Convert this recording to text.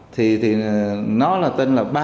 thì nó là tên là ba